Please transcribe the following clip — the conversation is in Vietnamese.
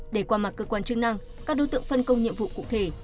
để qua mặt cơ quan chức năng các đối tượng phân công nhiệm vụ cụ thể